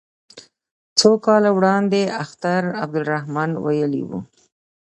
څو کاله وړاندې اختر عبدالرحمن ویلي وو.